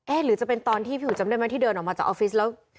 หรือจะเป็นตอนที่พี่อุ๋จำได้ไหมที่เดินออกมาจากออฟฟิศแล้ว